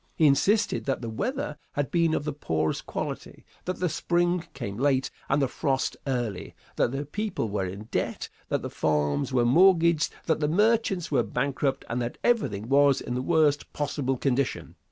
He insisted that the weather had been of the poorest quality; that the spring came late, and the frost early; that the people were in debt; that the farms were mortgaged; that the merchants were bankrupt; and that everything was in the worst possible condition.